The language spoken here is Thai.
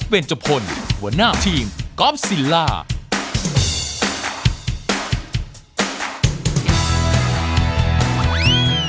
เฮ้วันนี้ยังไงครับ